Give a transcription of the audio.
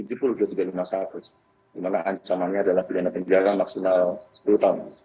dimana ancamannya adalah pidana pendidikan maksimal sepuluh tahun